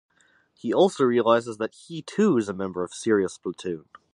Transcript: He also realizes that he too is a member of Sirius Platoon.